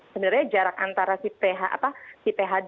sebenarnya jarak antara si phd